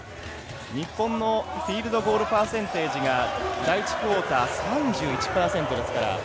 日本のフィールドゴールパーセンテージが第１クオーター３１％ですから。